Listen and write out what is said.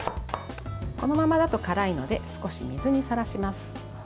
このままだと辛いので少し水にさらします。